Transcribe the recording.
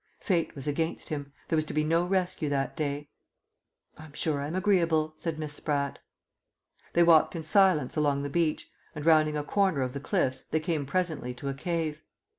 Fate was against him; there was to be no rescue that day. "I'm sure I'm agreeable," said Miss Spratt. They walked in silence along the beach, and, rounding a corner of the cliffs, they came presently to a cave.